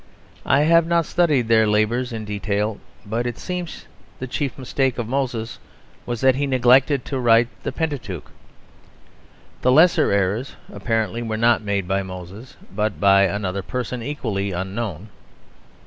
I have not studied their labours in detail, but it seems that the chief mistake of Moses was that he neglected to write the Pentateuch. The lesser errors, apparently, were not made by Moses, but by another person equally unknown.